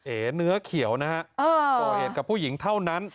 เอ๋เนื้อเขียวนะฮะก่อเหตุกับผู้หญิงเท่านั้น